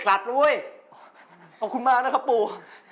ขลัดเลยขอบคุณมากนะครับปู